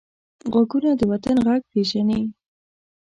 غوږونه د وطن غږ پېژني